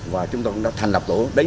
và chúng tôi đã thành lập tổ vận động